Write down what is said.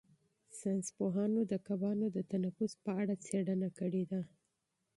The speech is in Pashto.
ساینس پوهانو د کبانو د تنفس په اړه څېړنه کړې ده.